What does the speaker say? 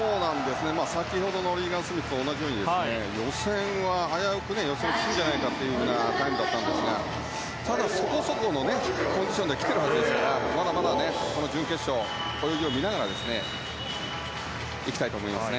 先ほどのリーガン・スミスと同じように予選は、危うく落ちるんじゃないかというタイムだったんですがただ、そこそこのコンディションで来ているはずですからまだまだ準決勝、泳ぎを見ながらいきたいと思いますね。